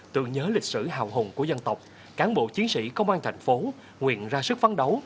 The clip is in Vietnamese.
tượng nhớ lịch sử hào hùng của dân tộc cán bộ chiến sĩ công an tp nguyện ra sức phán đấu